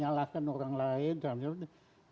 salahkan orang lain